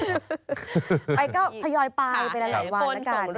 ไปก็ทะยอยไปไปละหลายวันแล้วกัน